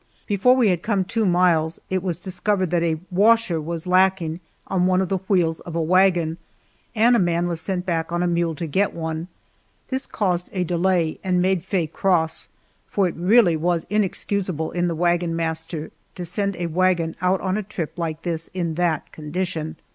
Before we had come two miles it was discovered that a "washer" was lacking on one of the wheels of a wagon, and a man was sent back on a mule to get one. This caused a delay and made Faye cross, for it really was inexcusable in the wagon master to send a wagon out on a trip like this in that condition.